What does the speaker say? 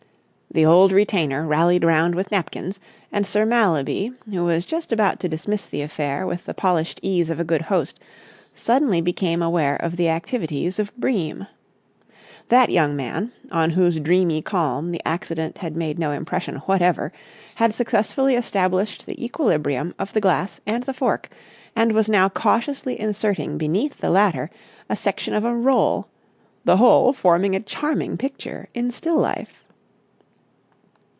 The old retainer rallied round with napkins, and Sir Mallaby, who was just about to dismiss the affair with the polished ease of a good host, suddenly became aware of the activities of Bream. That young man, on whose dreamy calm the accident had made no impression whatever, had successfully established the equilibrium of the glass and the fork, and was now cautiously inserting beneath the latter a section of a roll, the whole forming a charming picture in still life.